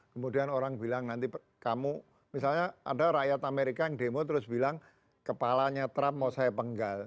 kemudian orang bilang nanti kamu misalnya ada rakyat amerika yang demo terus bilang kepalanya trump mau saya penggal